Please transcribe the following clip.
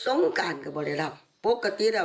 สงการกระกะบริษัท